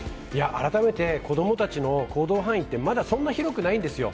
改めて子供たちの行動範囲ってまだそんなに広くないんですよ。